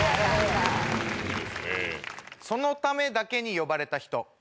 そのためだけに呼ばれた人。